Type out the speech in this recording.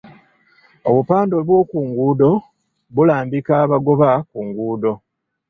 Obupande bw'oku nguudo bulambika abagoba ku nguudo.